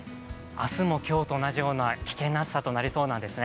明日も今日と同じような危険な暑さになりそうなんですね。